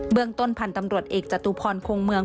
เมืองต้นพันธุ์ตำรวจเอกจตุพรคงเมือง